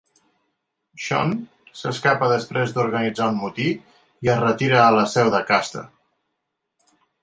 Sean s'escapa després d'organitzar un motí i es retira a la seu de Castor.